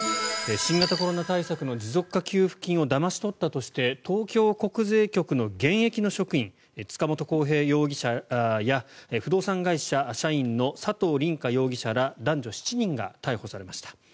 新型コロナ対策の持続化給付金をだまし取ったとして東京国税局の現役の職員塚本晃平容疑者や不動産会社社員の佐藤凛果容疑者ら男女７人が逮捕されました。